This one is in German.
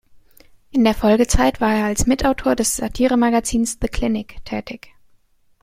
In der Folgezeit war er als Mitautor des Satiremagazins "The Clinic" tätig.